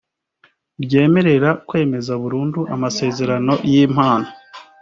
ryemerera kwemeza burundu amasezerano y’ impano